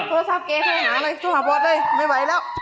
โทรซัพเก้เข้าหาอะไรโทรมาบทเลยไม่ไหวแล้ว